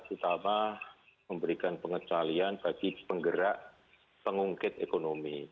terutama memberikan pengecualian bagi penggerak pengungkit ekonomi